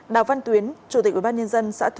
đào văn tuyến chủ tịch ubnd